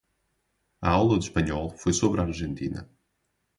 A aula de espanhol foi sobre a Argentina.